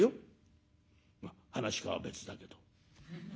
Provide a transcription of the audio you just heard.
噺家は別だけど。